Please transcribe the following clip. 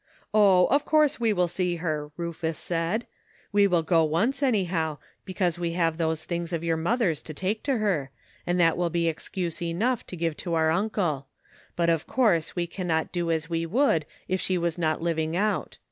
"*0h! of course we will see her,' Rufus said; 'we will go once, anyhow, because we have those things of your mother's to take to her, and that will be excuse enough to give to our uncle ; but of course we cannot do as we Would if she was not living out.